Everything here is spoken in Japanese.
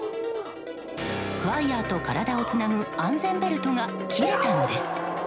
ワイヤと体をつなぐ安全ベルトが切れたのです。